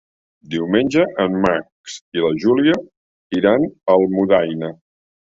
Diumenge en Max i na Júlia iran a Almudaina.